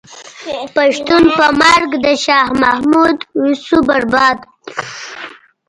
پښتون په مرګ د شاه محمود شو برباد.